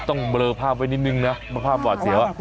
ต้องเบลอภาพไว้นิดหนึ่งนะภาพปวดเสียวะ